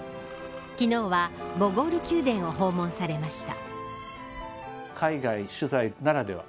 昨日はボゴール宮殿を訪問されました。